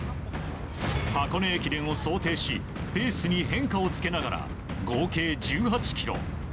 箱根駅伝を想定しペースに変化をつけながら合計１８ｋｍ。